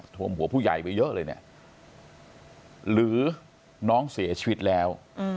ท่วมหัวผู้ใหญ่ไปเยอะเลยหรือน้องเสียชีวิตแล้ว